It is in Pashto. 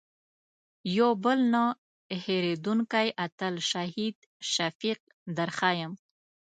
یو بل نه هېرېدونکی اتل شهید شفیق در ښیم.